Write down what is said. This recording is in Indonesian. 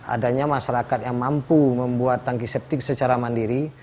adanya masyarakat yang mampu membuat tangki septik secara mandiri